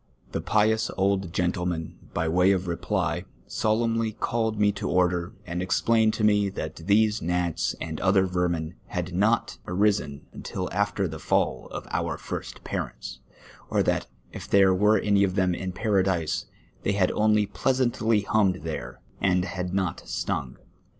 The pious old gentleman, by way of reply, solemnly called me to order, and explained to me that these gnats and other vermin had not arisen imtil after the fall of our first parents, or that if there were any of them in Paradise, they had only pleasantly hummed there, and liad not stung.